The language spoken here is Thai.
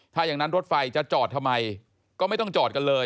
ถ้าอย่างนั้นรถไฟจะจอดทำไมก็ไม่ต้องจอดกันเลย